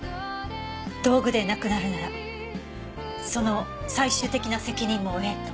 道具でなくなるならその最終的な責任も負えと？